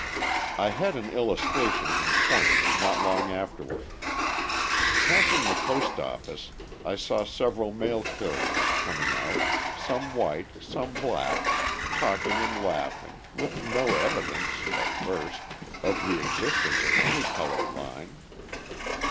I had an illustration in point not long afterward. Passing the post office, I saw several mail carriers coming out, some white, some black, talking and laughing, with no evidence, at first, of the existence of any colour line.